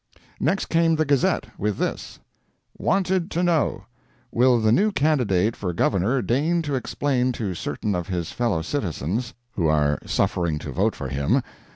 ] Next came the Gazette, with this: WANTED TO KNOW. Will the new candidate for Governor deign to explain to certain of his fellow citizens (who are suffering to vote for him!)